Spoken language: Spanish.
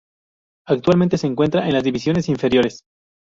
Actualmente se encuentra en las divisiones inferiores.